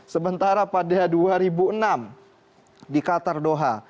sementara pada dua ribu enam di qatar doha